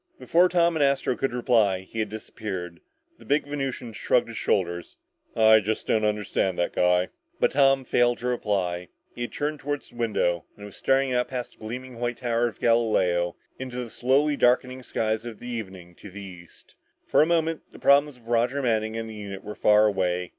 Before Tom and Astro could reply, he had disappeared. The big Venusian shrugged his shoulders. "I just don't understand that guy!" But Tom failed to reply. He had turned toward the window and was staring out past the gleaming white Tower of Galileo into the slowly darkening skies of evening to the east. For the moment, the problems of Roger Manning and the unit were far away.